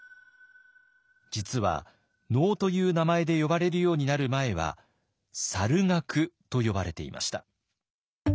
実は能という名前で呼ばれるようになる前は猿楽と呼ばれていました。